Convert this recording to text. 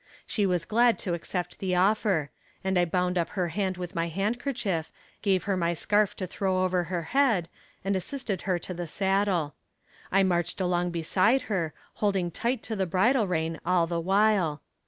She was glad to accept the offer, and I bound up her hand with my handkerchief, gave her my scarf to throw over her head, and assisted her to the saddle. I marched along beside her, holding tight to the bridle rein all the while.